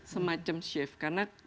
semacam shift karena